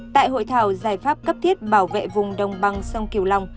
tại hội thảo giải pháp cấp thiết bảo vệ vùng đồng bằng sông kiều long